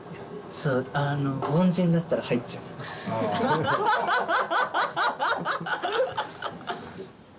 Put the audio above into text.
あの凡人だったら入っちゃうアハハハハハハハ！